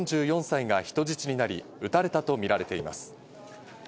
４４歳が人質になり、撃たれたとみられています。